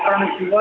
atau di jilo